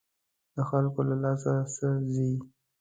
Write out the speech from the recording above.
د خلکو له لاسه څه ځي.